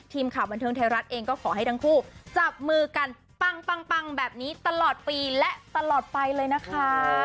ทีมข่าวบันเทิงไทยรัฐเองก็ขอให้ทั้งคู่จับมือกันปังแบบนี้ตลอดปีและตลอดไปเลยนะคะ